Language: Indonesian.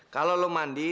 kalau lu mandi